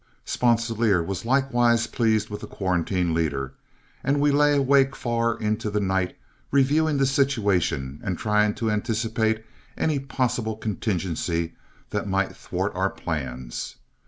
Sponsilier was likewise pleased with the quarantine leader, and we lay awake far into the night, reviewing the situation and trying to anticipate any possible contingency that might thwart our plans.